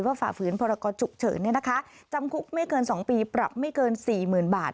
ฝ่าฝืนพรกรฉุกเฉินจำคุกไม่เกิน๒ปีปรับไม่เกิน๔๐๐๐บาท